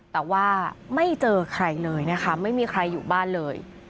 แต่ว่าไม่เจอใครเลยนะคะไม่มีใครอยู่บ้านเลย